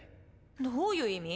どういう意味？